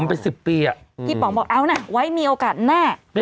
มีเป็น๑๐ปีอ่ะพี่ป๋อบเอาน่ะว่ามีโอกาสแน่